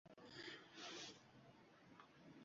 Pushtunlarning urf-odatlar majmuasi Pushtunvalay deb ataladi.